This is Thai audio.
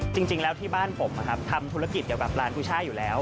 จริงแล้วที่บ้านผมทำธุรกิจเกี่ยวกับร้านกุช่ายอยู่แล้ว